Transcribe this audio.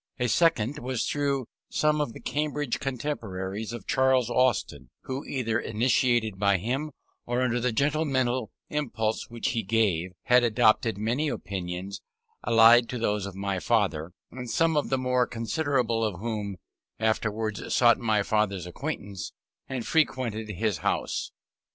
A second was through some of the Cambridge contemporaries of Charles Austin, who, either initiated by him or under the general mental impulse which he gave, had adopted many opinions allied to those of my father, and some of the more considerable of whom afterwards sought my father's acquaintance and frequented his house.